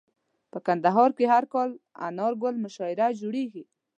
په کندهار کي هر کال انارګل مشاعره جوړیږي.